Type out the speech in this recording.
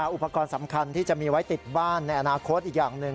อุปกรณ์สำคัญที่จะมีไว้ติดบ้านในอนาคตอีกอย่างหนึ่ง